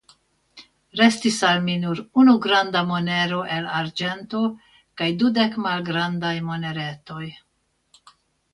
Restis al mi nur unu granda monero el arĝento kaj dudek malgrandaj moneretoj.